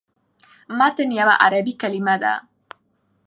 متن یوه عربي کلمه ده.